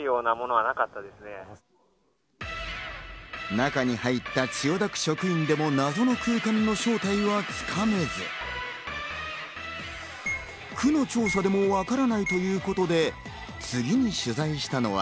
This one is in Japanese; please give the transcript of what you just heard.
中に入った千代田区職員でも、謎の空間の正体はつかめず、区の調査でもわからないということで次に取材したのは